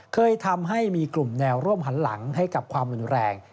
เคยทำให้มีกลุ่มแนวร่วมหันหลังให้กับความรุนแรง